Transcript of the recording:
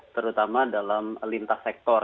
terutama dalam lintas sektor